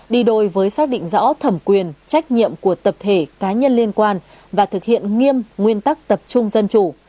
đi đôi với xác định rõ thẩm quyền trách nhiệm của tập thể cá nhân liên quan và thực hiện nghiêm nguyên tắc tập trung dân chủ